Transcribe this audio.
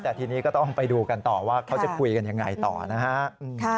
แต่ทีนี้ก็ต้องไปดูกันต่อว่าเขาจะคุยกันยังไงต่อนะฮะ